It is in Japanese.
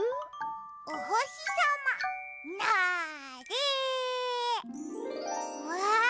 おほしさまなれ！わ！